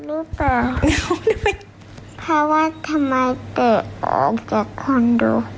ออกลูกต่อเพราะว่าทำไมเตะออกจากคอนโด